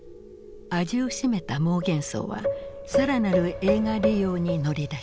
味を占めたモーゲンソウは更なる映画利用に乗り出した。